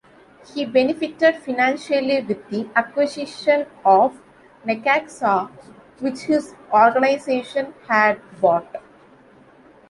He benefited financially with the acquisition of Necaxa which his organization had bought.